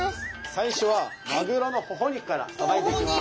最初はマグロのほほ肉からさばいていきます。